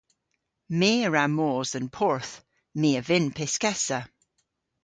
My a wra mos dhe'n porth. My a vynn pyskessa.